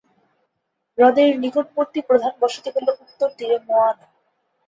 হ্রদের নিকটবর্তী প্রধান বসতি হল উত্তর তীরে মোয়ানা।